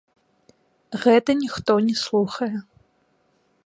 Гэта ніхто не слухае.